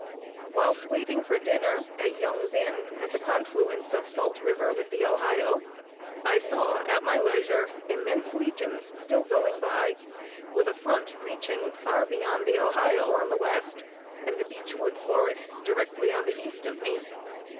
Whilst waiting for dinner at Young's Inn, at the confluence of Salt River with the Ohio, I saw, at my leisure, immense legions still going by, with a front reaching far beyond the Ohio on the west, and the beechwood forests directly on the east of me.